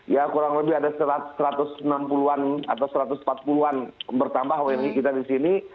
ya kurang lebih ada satu ratus enam puluh an atau satu ratus empat puluh an bertambah wni kita di sini